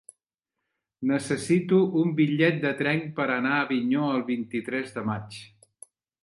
Necessito un bitllet de tren per anar a Avinyó el vint-i-tres de maig.